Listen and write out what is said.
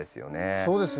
そうですね。